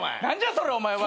何じゃそれお前。